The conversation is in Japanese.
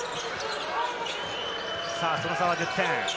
その差は１０点。